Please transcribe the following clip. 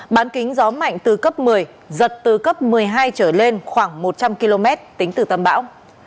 bán kính gió mạnh từ cấp một mươi giật từ cấp một mươi hai trở lên khoảng một trăm linh km tính từ tâm bão